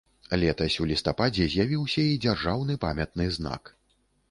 Летась у лістападзе з'явіўся і дзяржаўны памятны знак.